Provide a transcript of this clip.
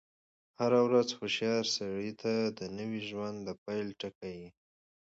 هره ورځ هوښیار سړي ته د نوی ژوند د پيل ټکی يي.